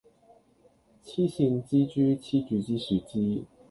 癡線蜘蛛痴住支樹枝